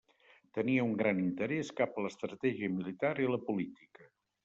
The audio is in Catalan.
Tenia un gran interès cap a l'estratègia militar i la política.